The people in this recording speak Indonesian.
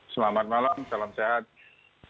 selamat malam salam sehat